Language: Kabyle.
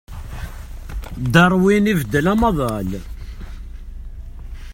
Darwin ibeddel amaḍal.